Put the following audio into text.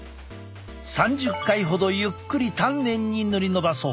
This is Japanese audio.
３０回ほどゆっくり丹念に塗り伸ばそう。